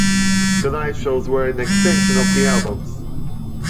The live shows were an extension of the albums.